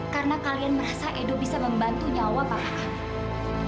karena kalian merasa edo bisa membantu nyawa pakak kami